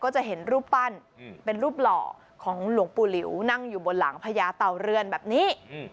จะเห็นรูปปั้นเป็นรูปหล่อของหลวงปู่หลิวนั่งอยู่บนหลังพญาเตาเรือนแบบนี้